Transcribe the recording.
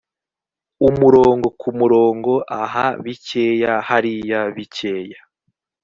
umurongo ku murongo aha bikeya hariya bikeya